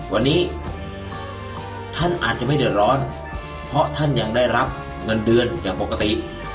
วันนี้ท่านอาจจะไม่เดือดร้อนเพราะท่านยังได้รับเงินเดือนอย่างปกติ